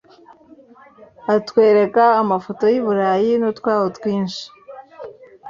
Atwereka amafoto y’i Burayi n’utwaho twinshi,